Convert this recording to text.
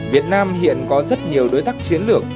việt nam hiện có rất nhiều đối tác chiến lược